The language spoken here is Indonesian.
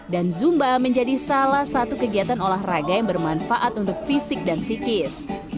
dan zumba menjadi salah satu kegiatan olahraga yang bermanfaat untuk fisik dan psikis